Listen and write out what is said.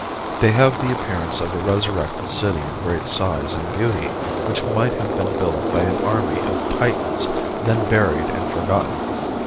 They have the appearance of a resurrected city of great size and beauty which might have been built by an army of Titans then buried and forgotten.